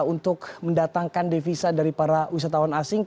untuk mendatangkan devisa dari para wisatawan asing